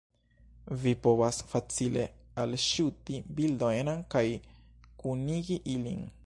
vi povas facile alŝuti bildojn kaj kunigi ilin